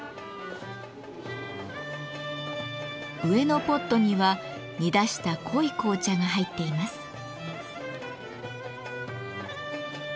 上のポットには煮出した濃い紅茶が入っています。